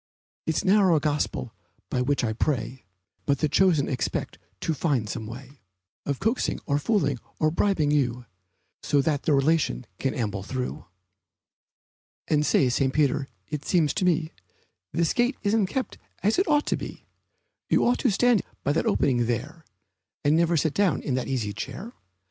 It's a narrow gospel by which I pray, But the chosen expect to find some way Of coaxing, or fooling, or bribing you So that their relation can amble through. And say, St. Peter, it seems to me This gate isn't kept as it ought to be; You ought to stand by that opening there, And never sit down in that easy chair.